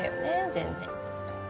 全然。